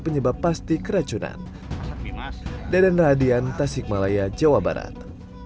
penyebab pasti keracunan daden radian tasikmalaya jawa barat